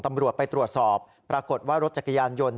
ตำรวจไปตรวจสอบปรากฏว่ารถจักรยานยนต์